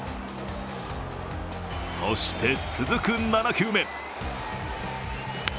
そして、続く７球目。